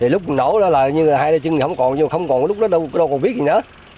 lúc nổ là như hai đôi chân không còn không còn lúc đó đâu còn biết gì nữa